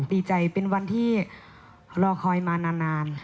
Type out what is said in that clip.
ดีใจเป็นวันที่รอคอยมานาน